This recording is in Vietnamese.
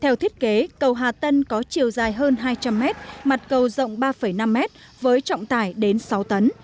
theo thiết kế cầu hà tân có chiều dài hơn hai trăm linh m mặt cầu rộng ba năm mét với trọng tải đến sáu tấn